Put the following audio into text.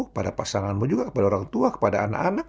kepada pasanganmu juga kepada orang tua kepada anak anak